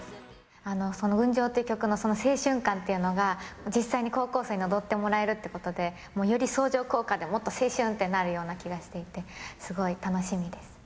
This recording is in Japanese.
その群青っていう曲の青春感っていうのが実際に高校生に踊ってもらえるということで、もうより相乗効果で、より青春ってなるような気がしていて、すごい楽しみです。